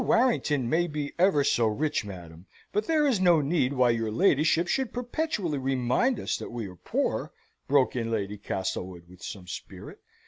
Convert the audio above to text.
Warrington may be ever so rich, madam, but there is no need why your ladyship should perpetually remind us that we are poor," broke in Lady Castlewood, with some spirit.